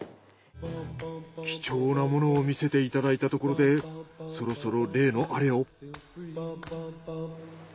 貴重なものを見せていただいたところでそろそろ。